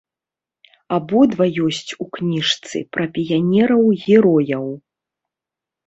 Абодва ёсць у кніжцы пра піянераў-герояў.